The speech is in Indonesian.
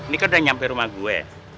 nih kan udah nyampe rumah gue